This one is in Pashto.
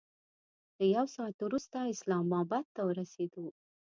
له یو ساعت وروسته اسلام اباد ته ورسېدو.